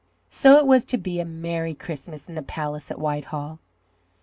So it was to be a Merry Christmas in the palace at Whitehall.